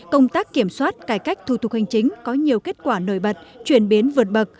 công tác kiểm soát cải cách thủ tục hành chính có nhiều kết quả nổi bật chuyển biến vượt bậc